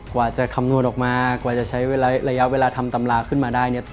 กว่าจะคำนวณออกมากว่าจะใช้ระยะเวลาทำตำราขึ้นมาได้เนี่ย